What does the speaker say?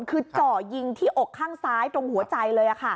คือเจาะยิงที่อกข้างซ้ายตรงหัวใจเลย